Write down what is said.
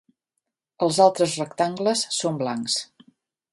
Els altres rectangles són blancs.